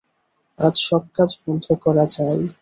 আজ সব কাজ বন্ধ করা চাই।